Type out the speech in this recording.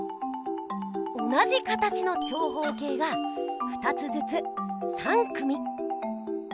同じ形の長方形が２つずつ３組。